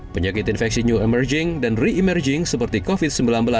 penyakit infeksi new emerging dan re emerging seperti covid sembilan belas